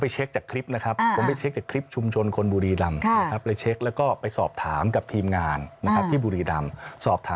จะอยากระบุเวลาเลยไหมคะ